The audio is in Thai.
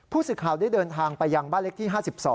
ผู้สื่อข่าวได้เดินทางไปยังบ้านเล็กที่๕๒